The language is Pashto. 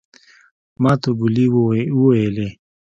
ماته ګولي وويلې.